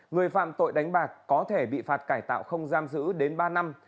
người phạm tội đánh bạc có thể bị phạt cải tạo không giam giữ đến ba năm